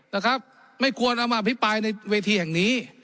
นะครับไม่ควรเอามาอภิปรายในเวทีแห่งนี้